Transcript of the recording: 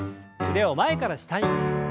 腕を前から下に。